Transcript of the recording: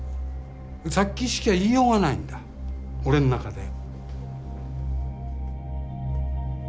殺気しか言いようがないんだ俺の中で。